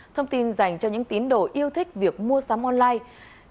thông tin dành cho những tín đồ yêu thích việc mua sắm online